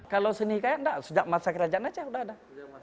kalau seni hikayat sejak masa kerajaan aceh sudah ada